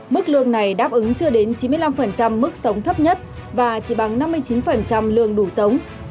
mức lương này đáp ứng chưa đến chín mươi năm mức sống thấp nhất và chỉ bằng năm mươi chín lương đủ sống